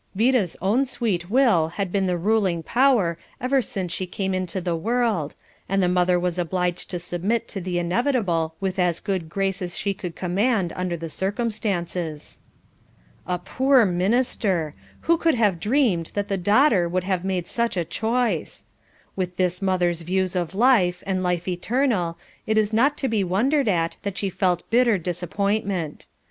Vida's own sweet will had been the ruling power ever since she came into the world, and the mother was obliged to submit to the inevitable with as good grace as she could command under the circumstances. A poor minister! who could have dreamed that the daughter would have made such a choice. With this mother's views of life, and life eternal, it is not to be wondered at that she felt bitter disappointment.